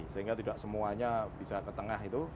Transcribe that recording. sehingga tidak semuanya bisa ke tengah itu